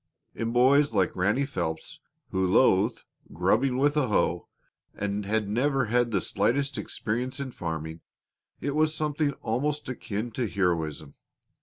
In boys like Ranny Phelps, who loathed "grubbing with a hoe" and had never had the slightest experience in farming, it was something almost akin to heroism.